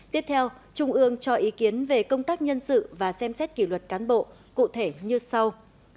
tiếp theo trung ương cho ý kiến về công tác nhân sự và xem xét kỷ luật cán bộ cụ thể như sau